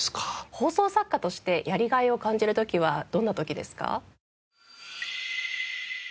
放送作家としてやりがいを感じる時はどんな時ですか？